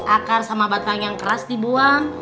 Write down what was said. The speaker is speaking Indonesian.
akar sama batang yang keras dibuang